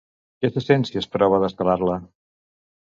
Què se sent si es prova d'escalar-la?